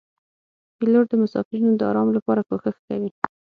پیلوټ د مسافرینو د آرام لپاره کوښښ کوي.